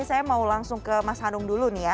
saya mau langsung ke mas hanung dulu nih ya